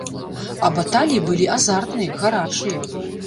А баталіі былі азартныя, гарачыя.